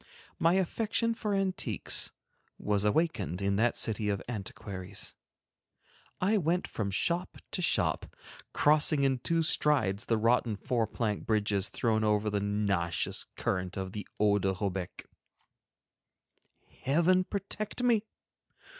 My affection for antiques was awakened in that city of antiquaries. I went from shop to shop, crossing in two strides the rotten four plank bridges thrown over the nauseous current of the "Eau de Robec." Heaven protect me!